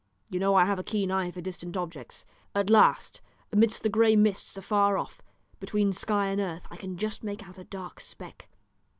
You know I have a keen eye for distant objects. At last, amidst the grey mists afar off, between sky and earth, I can just make out a dark speck.